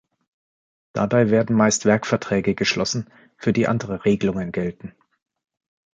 Dabei werden meist Werkverträge geschlossen, für die andere Regelungen gelten.